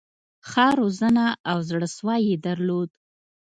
ښه روزنه او زړه سوی یې درلود.